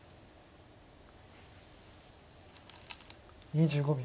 ２５秒。